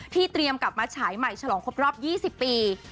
เตรียมกลับมาฉายใหม่ฉลองครบรอบ๒๐ปี